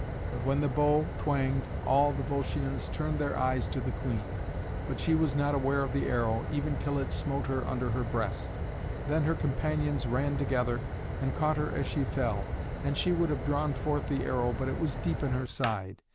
But when the bow twanged, all the Volscians turned their eyes to the queen; but she was not aware of the arrow, even till it smote her under her breast. Then her companions ran together and caught her as she fell. And she would have drawn forth the arrow, but it was deep in her side.